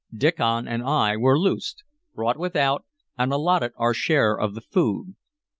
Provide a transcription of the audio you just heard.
Diccon and I were loosed, brought without, and allotted our share of the food.